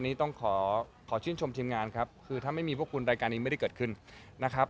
นี้ต้องขอขอชื่นชมทีมงานครับคือถ้าไม่มีพวกคุณรายการนี้ไม่ได้เกิดขึ้นนะครับ